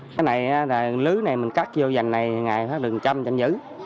cái này lứ này mình cắt vô dành này ngày hôm nay đừng trăm chẳng giữ